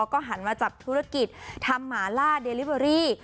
ก็หันมาจับธุรกิจทำหมาล่าเดลิเวอรี่